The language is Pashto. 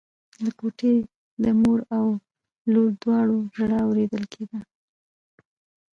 له کوټې د مور او لور دواړو ژړا اورېدل کېدله.